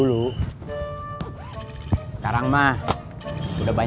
kamu semua lagi melahirkan